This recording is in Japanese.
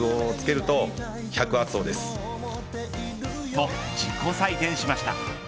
と、自己採点しました。